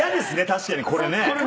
確かにこれね。